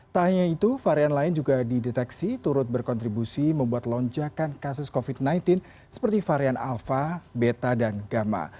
tak hanya itu varian lain juga dideteksi turut berkontribusi membuat lonjakan kasus covid sembilan belas seperti varian alpha beta dan gamma